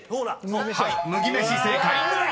［はい「麦飯」正解］